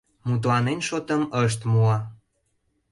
Мутланен шотым ышт муо.